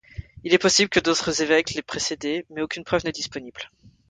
Il est possible que d’autres évêques l’aient précédés, mais aucune preuve n’est disponible.